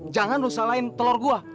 jangan lo salahin telur gua